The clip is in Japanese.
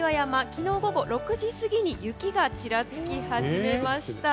昨日午後６時過ぎに雪がちらつき始めました。